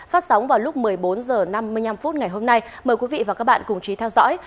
phát sóng vào lúc một mươi bốn h năm mươi năm ngày hôm nay mời quý vị và các bạn cùng trí theo dõi